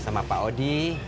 sama pak odi